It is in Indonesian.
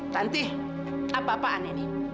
tanti apa apaan ini